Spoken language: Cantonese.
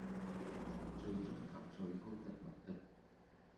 其最終及最高的目的